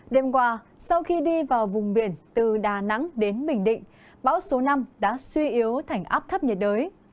đêm qua sau khi đi vào vùng biển từ đà nẵng đến bình định bão số năm đã suy yếu thành áp thấp nhiệt đới